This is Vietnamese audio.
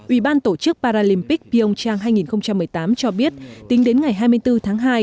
ủy ban tổ chức paralympic pioncheng hai nghìn một mươi tám cho biết tính đến ngày hai mươi bốn tháng hai